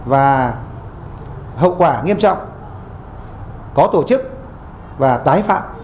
và hậu quả nghiêm trọng có tổ chức và tái phạm